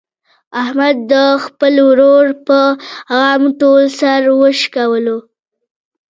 احمد د خپل ورور په غم ټول سر و شکولو.